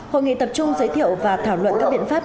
hội nghị tập trung giới thiệu và thảo luận các biện pháp